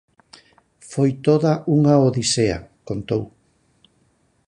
"Foi toda unha odisea", contou.